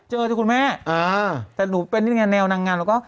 เจอใช่คุณแม่แต่หนูเป็นแนวนางงานแล้วก็